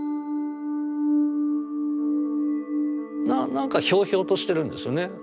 なんかひょうひょうとしてるんですよね。